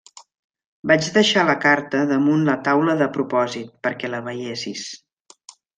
Vaig deixar la carta damunt la taula de propòsit, perquè la veiessis.